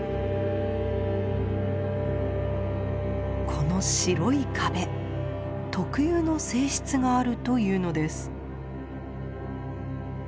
この白い壁特有の性質があるというのです。